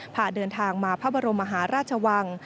พาเดินทางมาพระบรมมหาราชวัง